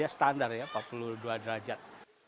standar ya empat puluh dua derajat